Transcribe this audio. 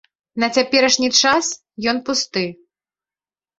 На цяперашні час ён пусты.